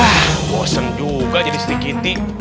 ah boseng juga jadi si kiti